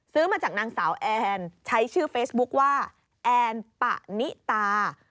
ซื้อมาจากนางสาวแอนใช้ชื่อเฟซบุ๊คว่าแอนปะนิตา